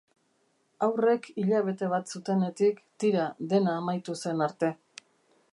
Haurrek hilabete bat zutenetik. tira, dena amaitu zen arte.